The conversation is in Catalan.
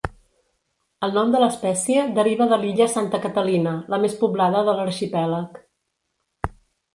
El nom de l'espècie deriva de l'illa Santa Catalina, la més poblada de l'arxipèlag.